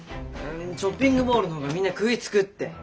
ショッピングモールの方がみんな食いつくって。